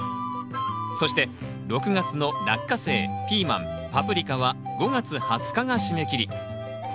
そして６月のラッカセイピーマンパプリカは５月２０日が締め切り。